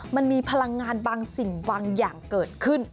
มันมีพลังงานบางสิ่งบางอย่างเกิดขึ้น